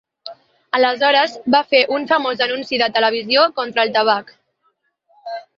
Aleshores va fer un famós anunci de televisió contra el tabac.